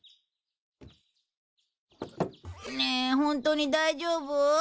ねえホントに大丈夫？